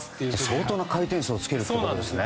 相当な回転数をつけているんですね。